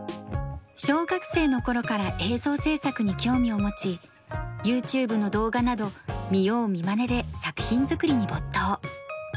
小学生の頃から映像制作に興味を持ちＹｏｕＴｕｂｅの動画など見よう見まねで作品作りに没頭。